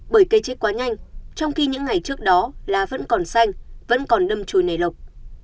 bởi cây chết quá nhanh trong khi những ngày trước đó lá vẫn còn xanh vẫn còn đâm trôi nảy lộc